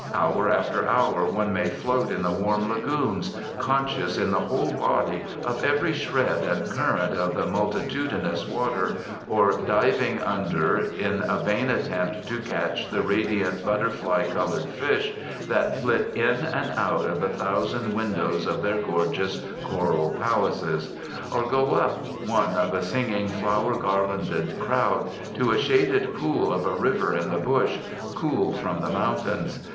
Hour after hour one may float in the warm lagoons, conscious, in the whole body, of every shred and current of the multitudinous water, or diving under in a vain attempt to catch the radiant butterfly coloured fish that flit in and out of the thousand windows of their gorgeous coral palaces. Or go up, one of a singing flower garlanded crowd, to a shaded pool of a river in the bush, cool from the mountains.